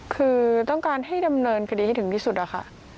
คือต้องการให้ดำเนินคดีให้ถึงที่สุดอะค่ะ